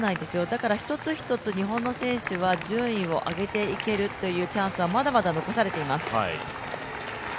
だから一つ一つ、日本の選手も順位を上げていける可能性はまだまだ残されています。